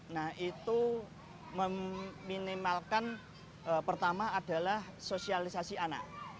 nah itu meminimalkan pertama adalah sosialisasi anak